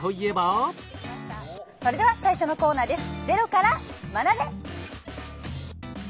それでは最初のコーナーです。